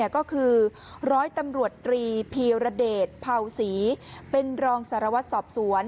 ก็คือร้อยตำรวจตรีพีรเดชเผาศรีเป็นรองสารวัตรสอบสวน